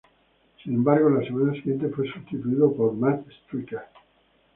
Sin embargo, la semana siguiente fue sustituido por Matt Striker.